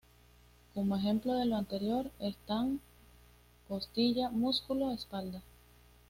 Como ejemplos de lo anterior están: 肋, ‘costilla’; 肌, ‘músculo’; 背, ‘espalda’.